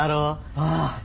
ああ。